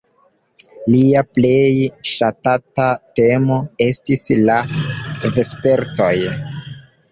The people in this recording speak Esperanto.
Lia plej ŝatata temo estis la vespertoj.